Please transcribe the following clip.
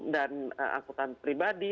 dan angkutan pribadi